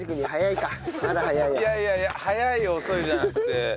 いやいや早い遅いじゃなくて。